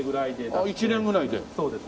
ああ１年ぐらいで？